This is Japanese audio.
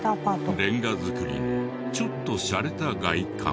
レンガ造りのちょっとシャレた外観。